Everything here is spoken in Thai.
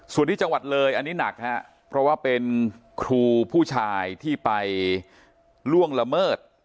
ส่วนที่จังหวัดเลยอันนี้หนักฮะเพราะว่าเป็นครูผู้ชายที่ไปล่วงละเมิด